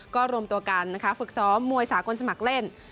ก็รวมตัวกันนะคะฝึกซ้อมมวยสากลสมัครเล่น